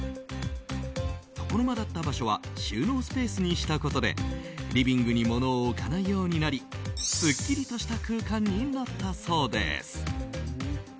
床の間だった場所は収納スペースにしたことでリビングに物を置かないようになりスッキリとした空間になったそうです。